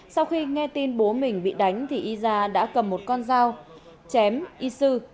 sau khi nghe tin bố mình bị đánh thì isa đã cầm một con dao chém isu